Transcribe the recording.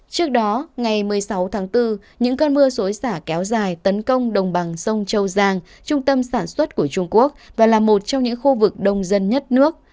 trước đó ngày một mươi sáu tháng bốn những cơn mưa xối xả kéo dài tấn công đồng bằng sông châu giang trung tâm sản xuất của trung quốc và là một trong những khu vực đông dân nhất nước